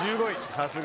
さすが。